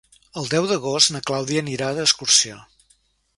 El deu d'agost na Clàudia anirà d'excursió.